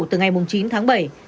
từ ngày chín tháng bảy